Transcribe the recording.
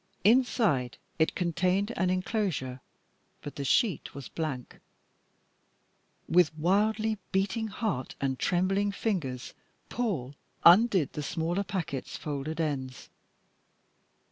Inside it contained an enclosure, but the sheet was blank. With wildly beating heart and trembling fingers Paul undid the smaller packet's folded ends.